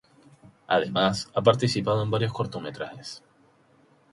Además ha participado en varios cortometrajes.